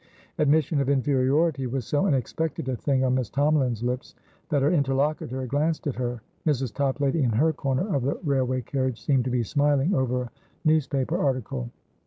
Admission of inferiority was so unexpected a thing on Miss Tomalin's lips, that her interlocutor glanced at her. Mrs. Toplady, in her corner of the railway carriage, seemed to be smiling over a newspaper article.